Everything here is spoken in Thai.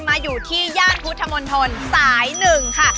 มาอยู่ที่ย่านพุทธมนตรสาย๑ค่ะ